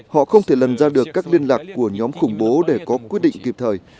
họ không thể lần ra được các liên lạc của nhóm khủng bố để có quyết định kịp thời